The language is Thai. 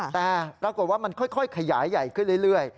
แต่ปรากฏว่ามันค่อยขยายใหญ่ขึ้นเรื่อย